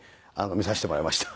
見させてもらいました。